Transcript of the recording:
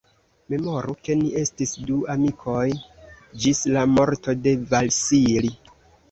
Memoru, ke ni estis du amikoj ĝis la morto de Vasili.